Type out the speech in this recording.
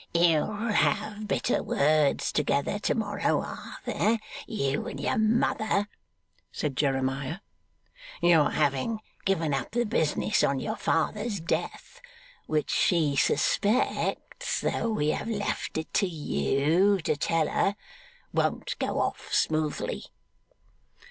'You'll have bitter words together to morrow, Arthur; you and your mother,' said Jeremiah. 'Your having given up the business on your father's death which she suspects, though we have left it to you to tell her won't go off smoothly.